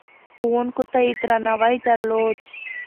ښوونکو ته يې درناوی درلود.